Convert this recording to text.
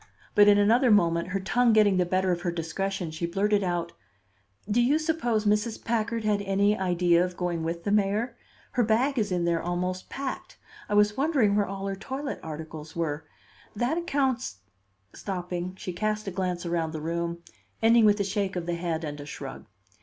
But in another moment, her tongue getting the better of her discretion, she blurted out: "Do you suppose Mrs. Packard had any idea of going with the mayor? Her bag is in there almost packed. I was wondering where all her toilet articles were. That accounts " Stopping, she cast a glance around the room, ending with a shake of the head and a shrug.